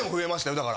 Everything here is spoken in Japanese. だから。